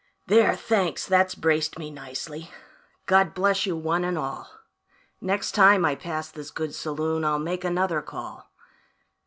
"There, thanks, that's braced me nicely; God bless you one and all; Next time I pass this good saloon I'll make another call.